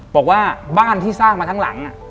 บอกว่าบ้านที่สร้างมาทั้งหลัง